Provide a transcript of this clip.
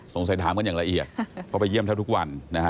ใส่ถามกันอย่างละเอียดเพราะไปเยี่ยมเท่าทุกวันนะฮะ